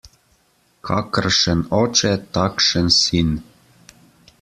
Kakršen oče, takšen sin.